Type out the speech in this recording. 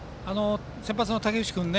先発の武内君